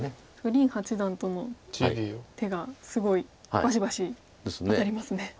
林八段との手がすごいバシバシ当たりますね。